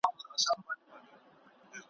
ډیري لاري یې پر سپي وې آزمېیلي `